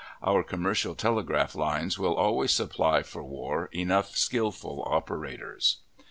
Our commercial telegraph lines will always supply for war enough skillful operators.